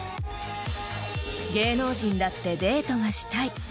［芸能人だってデートがしたい］